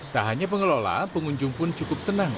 tak hanya pengelola pengunjung pun cukup senang